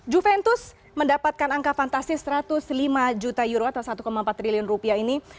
juventus mendapatkan angka fantastis satu ratus lima juta euro atau satu empat triliun rupiah ini